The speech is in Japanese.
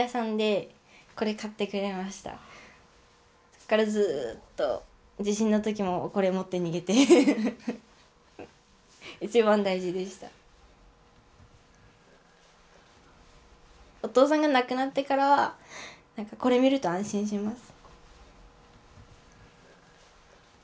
それからずっとお父さんが亡くなってからは何かこれ見ると安心します。